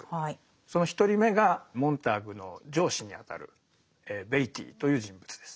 その一人目がモンターグの上司にあたるベイティーという人物です。